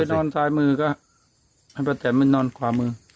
แต่ไม่นอนซ้ายมือก็แต่ไม่นอนขวามือ